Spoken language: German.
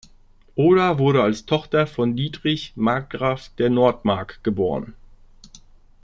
Oda wurde als Tochter von Dietrich, Markgraf der Nordmark geboren.